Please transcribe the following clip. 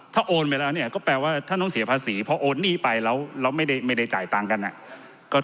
ถ้าโอนไปแล้วเนี่ยก็แปลว่าท่านต้องเสียภาษีเพราะโอนหนี้ไปแล้วไม่ได้จ่ายตังค์กัน